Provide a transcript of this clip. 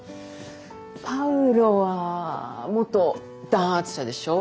パウロは元弾圧者でしょ。